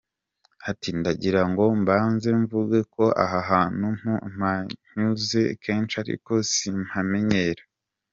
Ati “Ndagira ngo mbanze mvuge ko aha hantu mpanyuze kenshi ariko simpamenyera.